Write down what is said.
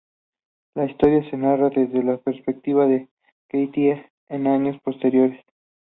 La historia se narra desde la perspectiva de Kathy en años posteriores.